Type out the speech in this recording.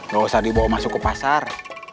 biar saya bantu parkir